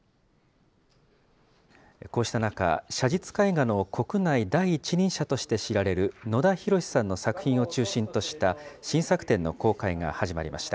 こうした中、写実絵画の国内第一人者として知られる野田弘志さんの作品を中心とした新作展の公開が始まりました。